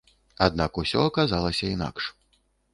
Аднак усё аказалася інакш.